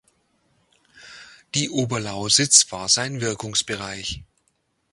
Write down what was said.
Die Oberlausitz war sein Wirkungsbereich.